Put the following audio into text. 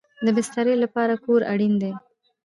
د بسترې لپاره کور اړین دی